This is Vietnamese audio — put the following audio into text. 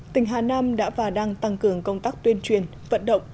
tỉnh hà nam đã và đang tăng cường công tác tuyên truyền vận động